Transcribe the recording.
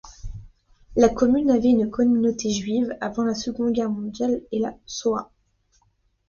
La commune avait une communauté juive avant la Seconde Guerre mondiale et la Shoah.